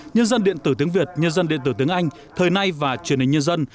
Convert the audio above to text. nhân dân điện tử tiếng việt nhân dân điện tử tiếng anh thời nay và truyền hình nhân dân